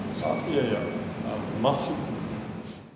いやいや、まっすぐ。